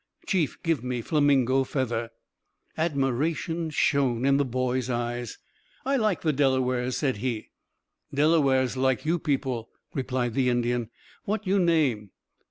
Chief give me flamingo feather." Admiration shone in the boy's eyes. "I like the Delawares," said he. "Delawares like you people," replied the Indian. "What you name?"